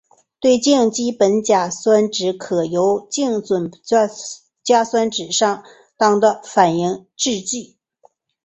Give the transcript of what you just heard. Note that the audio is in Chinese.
对羟基苯甲酸酯可由对羟基苯甲酸加上适当的醇的酯化反应制成。